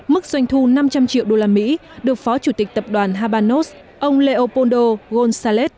mức doanh thu năm trăm linh triệu usd được phó chủ tịch tập đoàn habanos ông leopoldo gonzález